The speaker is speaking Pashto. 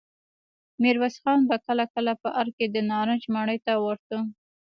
ميرويس خان به کله کله په ارګ کې د نارنج ماڼۍ ته ورته.